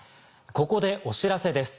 ここでお知らせです。